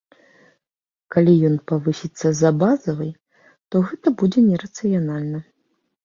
Калі ён павысіцца за базавай, то гэта будзе не рацыянальна.